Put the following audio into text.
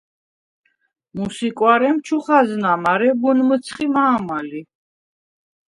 მუს ი კუ̂არემ ჩუ ხაზნა, მარე გუნ მჷცხი მა̄მა ლი.